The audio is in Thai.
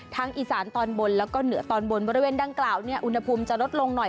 อีสานตอนบนแล้วก็เหนือตอนบนบริเวณดังกล่าวเนี่ยอุณหภูมิจะลดลงหน่อย